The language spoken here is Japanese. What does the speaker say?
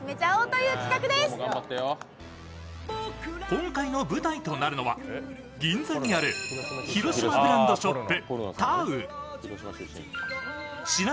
今回の舞台となるのは銀座にあるひろしまブランドショップ